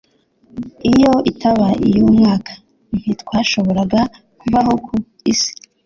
Iyo itaba iy'umwuka, ntitwashoboraga kubaho ku isi.